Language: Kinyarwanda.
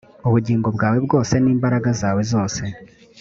ubugingo bwawe bwose n imbaraga zawe zose